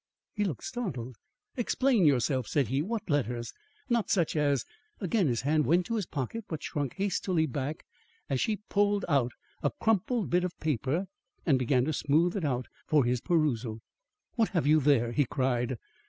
He looked startled. "Explain yourself," said he. "What letters? Not such as " Again his hand went to his pocket, but shrunk hastily back as she pulled out a crumpled bit of paper and began to smooth it out for his perusal. "What have you there?" he cried.